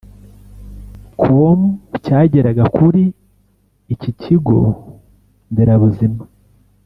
com cyageraga kuri iki kigonderabuzima